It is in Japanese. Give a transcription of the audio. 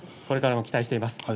これからも期待しています。